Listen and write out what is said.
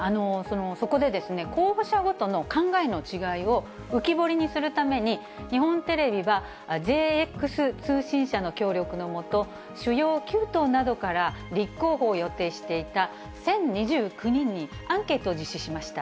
そこでですね、候補者ごとの考えの違いを浮き彫りにするために、日本テレビは、ＪＸ通信社の協力の下、主要９党などから立候補を予定していた１０２９人にアンケートを実施しました。